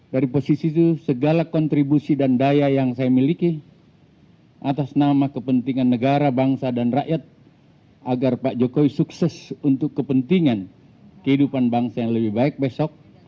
dari posisi itu segala kontribusi dan daya yang saya miliki atas nama kepentingan negara bangsa dan rakyat agar pak jokowi sukses untuk kepentingan kehidupan bangsa yang lebih baik besok